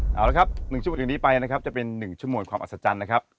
เอาละครับ๑ชั่วโมงถึงนี้ไปนะครับจะเป็น๑ชั่วโมงความอัศจรรย์นะครับ